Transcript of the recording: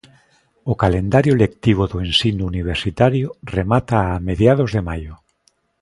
O calendario lectivo do ensino universitario remata a mediados de maio.